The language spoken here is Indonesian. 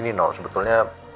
ini nino sebetulnya